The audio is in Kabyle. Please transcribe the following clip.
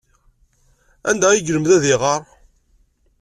Anda ay yelmed ad iɣer?